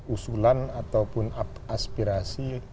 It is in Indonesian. usulan ataupun aspirasi